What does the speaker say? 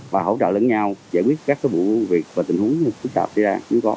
và hỗ trợ lẫn nhau giải quyết các bộ việc và tình huống phức tạp xảy ra